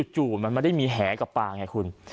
มันไม่ได้มีแหกับปลาไงคุณ